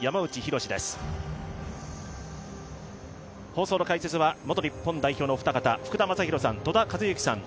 放送の解説は元日本代表のお二方、福田正博さん、戸田和幸さん